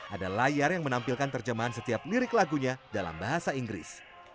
ada layar yang menampilkan terjemahan setiap lirik lagunya dalam bahasa inggris